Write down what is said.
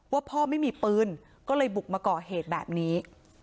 ว่าพ่อไม่มีปืนก็เลยบุกมาก่อเหตุแบบนี้